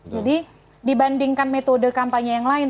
jadi dibandingkan metode kampanye yang lain